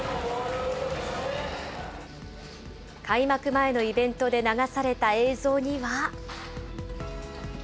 開幕前のイベントで流された映像には。